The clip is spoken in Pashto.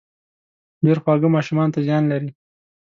ډېر خواږه ماشومانو ته زيان لري